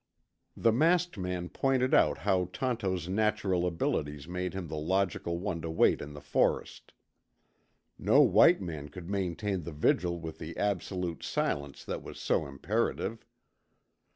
The masked man pointed out how Tonto's natural abilities made him the logical one to wait in the forest. No white man could maintain the vigil with the absolute silence that was so imperative.